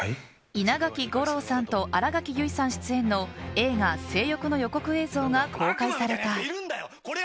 稲垣吾郎さんと新垣結衣さん出演の映画「正欲」の予告映像が公開された。